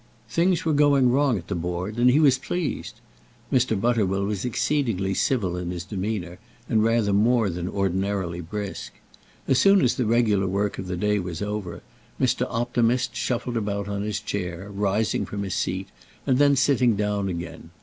Things were going wrong at the Board, and he was pleased. Mr. Butterwell was exceedingly civil in his demeanour, and rather more than ordinarily brisk. As soon as the regular work of the day was over, Mr. Optimist shuffled about on his chair, rising from his seat, and then sitting down again.